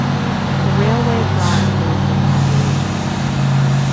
The railway brought a growth in the population.